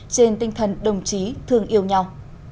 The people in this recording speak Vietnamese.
trên tinh thần đồng chí thương yêu nhau